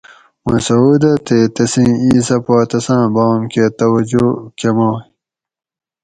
مسعودہ تے تسیں اِیسہ پا تساں بام کہ توجہ کمائ